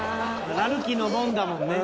「らるきい」のもんだもんね。